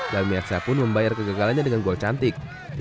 dalmi aksah pun membayar kegagalannya dengan gol cantik